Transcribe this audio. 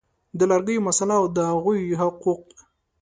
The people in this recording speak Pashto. د لږکیو مسله او د هغوی حقوق